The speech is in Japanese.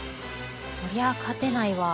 こりゃ勝てないわ。